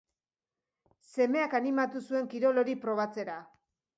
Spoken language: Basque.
Semeak animatu zuen kirol hori probatzera.